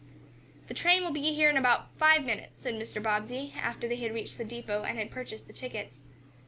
"The train will be here in about five minutes," said Mr. Bobbsey, after they had reached the depot, and he had purchased the tickets.